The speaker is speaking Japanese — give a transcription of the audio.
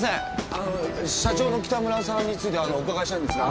あの社長の北山さんについてあのお伺いしたいんですが。